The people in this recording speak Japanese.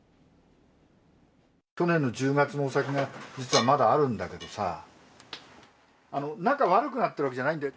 去年の１０月のお酒が実はまだあるんだけどさ、中、悪くなってるわけじゃないんだよ。